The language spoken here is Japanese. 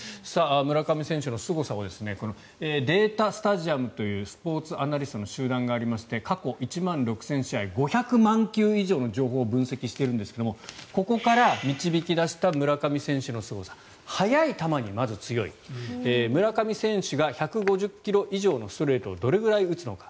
村上選手のすごさをデータスタジアムというスポーツアナリストの集団がありまして過去１万６０００試合５００万球以上の情報を分析しているんですがここから導き出した村上選手のすごさ速い球にまず強い村上選手が１５０ｋｍ以上のストレートをどれくらい打つのか。